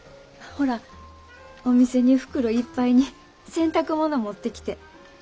ほらお店に袋いっぱいに洗濯物持ってきて。